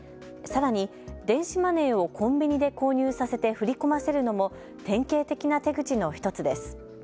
さらに電子マネーをコンビニで購入させて振り込ませるのも典型的な手口の１つです。